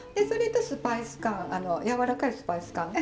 それとスパイス感やわらかいスパイス感。